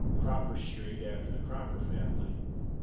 Cropper street after the Cropper family.